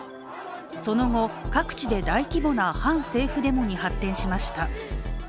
その後、各地で大規模な反政府デモに発展しました。